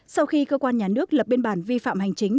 sau khi cơ quan nhà nước lập biên bản vi phạm hành chính